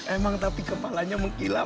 emang tapi kepalanya mengkilap